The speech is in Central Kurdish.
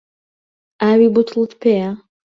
ئاوی بوتڵت پێیە؟